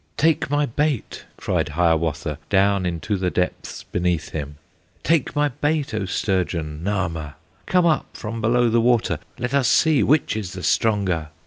"Take my bait," cried Hiawatha, Dawn into the depths beneath him, "Take my bait, O Sturgeon, Nahma! Come up from below the water, Let us see which is the stronger!"